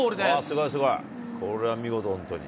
すごい、すごい、これは見事、本当に。